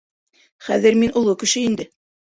Хәҙер мин оло кеше инде.